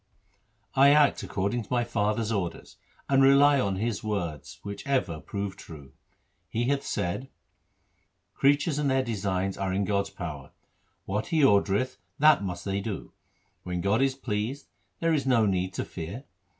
1 ' I act according to my father's orders, and rely on his words which ever prove true. He hath said :— Creatures and their designs are in God's power ; what He ordereth that must they do. When God is pleased, there is no need to fear.